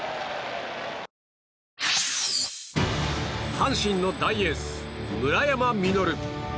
阪神の大エース、村山実。